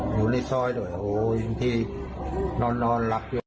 โอ้ยพี่นอนรักเยอะสลุกเหมือนกัน